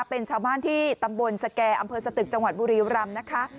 เป็นชาวบ้านที่ตำบลสแก่อำเภอสตึกจังหวัดบุรีรำนะคะ